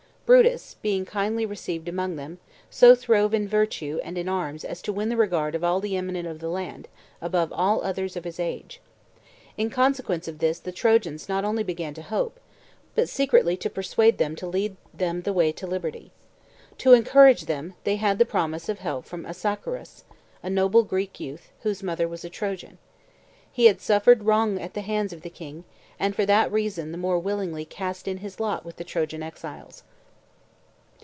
Brutus, being kindly received among them, so throve in virtue and in arms as to win the regard of all the eminent of the land above all others of his age. In consequence of this the Trojans not only began to hope, but secretly to persuade him to lead them the way to liberty. To encourage them, they had the promise of help from Assaracus, a noble Greek youth, whose mother was a Trojan. He had suffered wrong at the hands of the king, and for that reason the more willingly cast in his lost with the Trojan exiles.